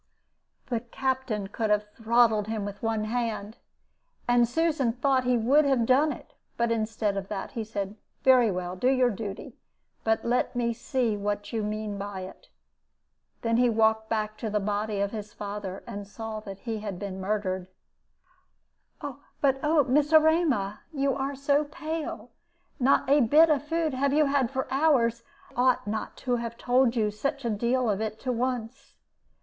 "The Captain could have throttled him with one hand, and Susan thought he would have done it. But, instead of that, he said, 'Very well; do your duty. But let me see what you mean by it.' Then he walked back again to the body of his father, and saw that he had been murdered. "But, oh, Miss Erema, you are so pale! Not a bit of food have you had for hours. I ought not to have told you such a deal of it to once.